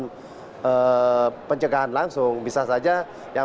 karena kalau dia melakukan pencegahan langsung bisa saja ini bisa disusun kelihatan